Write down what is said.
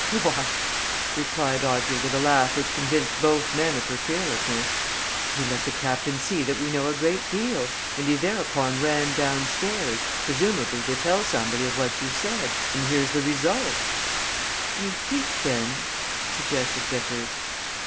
"Why," replied Audrey with a laugh which convinced both men of her fearlessness, "you let the captain see that we know a great deal and he thereupon ran downstairs presumably to tell somebody of what you said. And here's the result!" "You think, then " suggested Vickers.